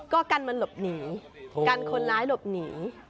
ก็กันมันหลบหนีกันคนร้ายหลบหนี